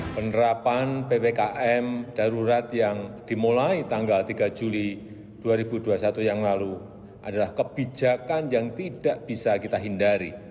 penerapan ppkm darurat yang dimulai tanggal tiga juli dua ribu dua puluh satu yang lalu adalah kebijakan yang tidak bisa kita hindari